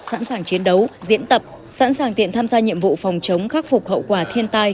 sẵn sàng chiến đấu diễn tập sẵn sàng tiện tham gia nhiệm vụ phòng chống khắc phục hậu quả thiên tai